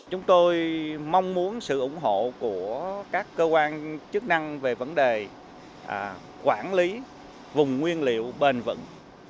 chúng tôi mong muốn sự ủng hộ của các cơ quan chức năng về vấn đề quản lý vùng nguyên liệu bền vững